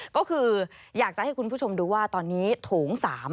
ก็คืออยากจะให้คุณผู้ชมดูว่าตอนนี้โถง๓